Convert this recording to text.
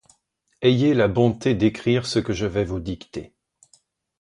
Ayez la bonté d'écrire ce que je vais vous dicter.